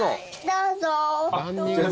どうぞ。